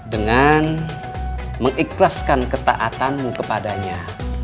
dengan mengikhlaskan ketaatanmu kepadanya